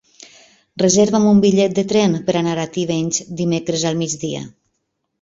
Reserva'm un bitllet de tren per anar a Tivenys dimecres al migdia.